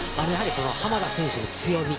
濱田選手の強み